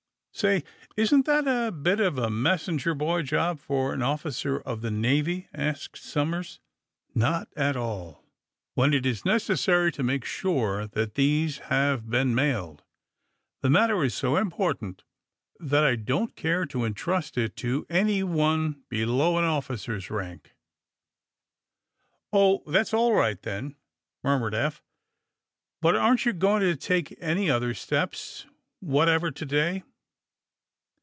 '' *^Say, isn't that a bit of a messenger boy job for an officer of the Navy?" asked Somers. *^Not at all, when it is necessary to make sure that these have been mailed. The matter is so important that I don't care to entrust it to any one below an officer's rank*" 102 THE SUBMARINE BOYS *^01i, that^s all right, then,'' murmured Eph. '^But aren't you going to take any other steps whatever to day